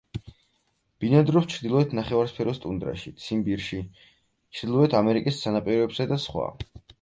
ბინადრობს ჩრდილოეთ ნახევარსფეროს ტუნდრაში; ციმბირში, ჩრდილოეთ ამერიკის სანაპიროებსა და სხვა.